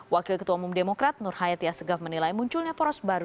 wakil ketua umum demokrat nur hayat ya segaf menilai munculnya poros baru